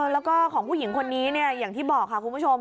แล้วก็ของผู้หญิงคนนี้อย่างที่บอกค่ะคุณผู้ชม